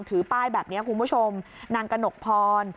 ถือป้ายแบบนี้คุณผู้ชมนางกระหนกพร